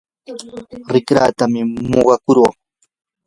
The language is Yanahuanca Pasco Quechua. rikratam muqakurquu.